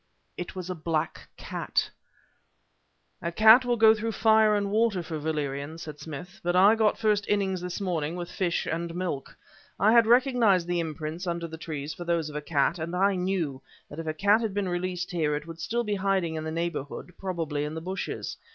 It was a black cat! "A cat will go through fire and water for valerian," said Smith; "but I got first innings this morning with fish and milk! I had recognized the imprints under the trees for those of a cat, and I knew, that if a cat had been released here it would still be hiding in the neighborhood, probably in the bushes.